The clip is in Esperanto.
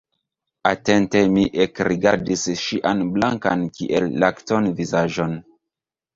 Atente mi ekrigardis ŝian blankan kiel lakton vizaĝon.